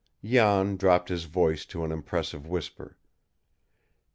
Jan dropped his voice to an impressive whisper.